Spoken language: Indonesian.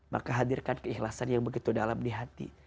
maka hadirkan keikhlasan yang begitu dalam di hati